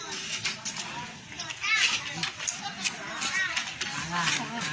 ลงไปลงเออลงไฟลึงลงไฟลงไป